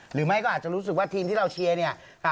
หรือไม่ก็อาจจะรู้สึกว่าทีมที่เราเชียร์เนี่ย